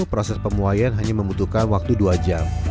proses pemuaian hanya membutuhkan waktu dua jam